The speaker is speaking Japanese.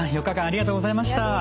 ４日間ありがとうございました。